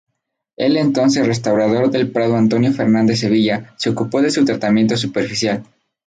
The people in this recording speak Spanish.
El entonces restaurador del Prado Antonio Fernández Sevilla, se ocupó de su tratamiento superficial.